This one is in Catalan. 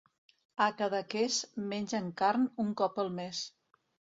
A Cadaqués menges carn un cop al mes.